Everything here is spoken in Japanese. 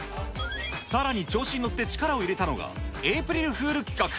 さらに調子に乗って力を入れたのが、エープリルフール企画。